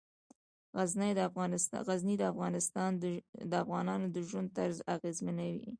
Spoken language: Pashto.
غزني د افغانانو د ژوند طرز اغېزمنوي.